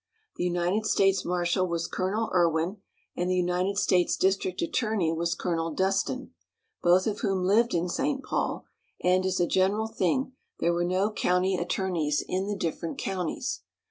The United States marshal was Colonel Irwin, and the United States district attorney was Colonel Dustin, both of whom lived in St. Paul, and, as a general thing, there were no county attorneys in the different counties.